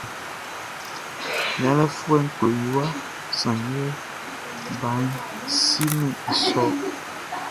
Yalɛfuɛʼn klo i waʼn sanngɛ baʼn simɛn i sôr.